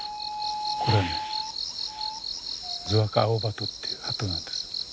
これねズアカアオバトというハトなんです。